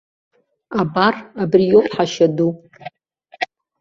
Абар, абри иоуп ҳашьа ду.